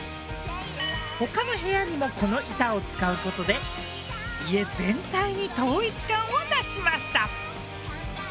他の部屋にもこの板を使う事で家全体に統一感を出しました。